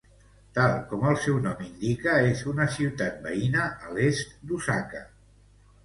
Tal com el seu nom indica és una ciutat veïna a l'est d'Osaka.